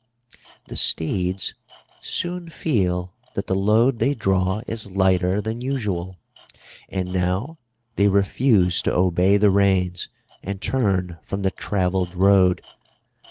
The steeds soon feel that the load they draw is lighter than usual. And now they refuse to obey the reins and turn from the travelled road.